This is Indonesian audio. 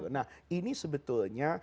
nah ini sebetulnya